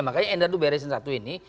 makanya endar itu beresin satu ini